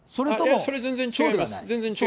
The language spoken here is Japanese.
それは全然違います。